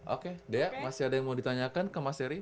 oke dea masih ada yang mau ditanyakan ke mas eri